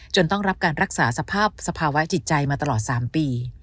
ต้องรับการรักษาสภาพสภาวะจิตใจมาตลอด๓ปี